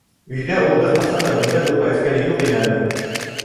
Өйҙә ул бер ҡасан да бындай һурпа эскәне юҡ ине әле.